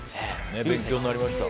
勉強になりました。